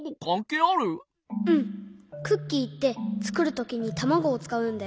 クッキーってつくるときにたまごをつかうんだよ。